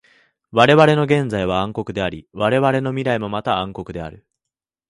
われわれの現在は暗黒であり、われわれの未来もまた暗黒である。